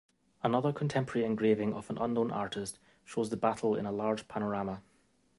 Another contemporary engraving of an unknown artist shows the battle in a large panorama.